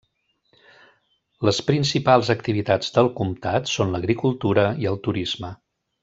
Les principals activitats del comtat són l'agricultura i el turisme.